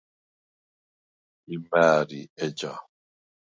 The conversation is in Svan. იმ’ა̄̈რი ეჯა?